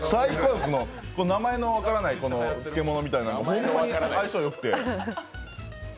名前の分からない漬物みたいなの非常に相性よくて。